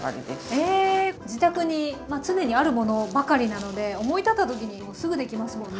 自宅に常にあるものばかりなので思い立ったときにもうすぐできますもんね。